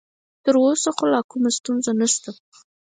تر اوسه خو لا کومه ستونزه نشته.